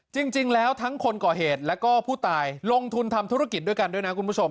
จริงแล้วทั้งคนก่อเหตุแล้วก็ผู้ตายลงทุนทำธุรกิจด้วยกันด้วยนะคุณผู้ชม